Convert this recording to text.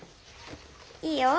いいよ。